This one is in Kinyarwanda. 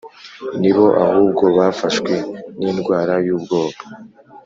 ni bo ahubwo bafashwe n’indwara y’ubwoba,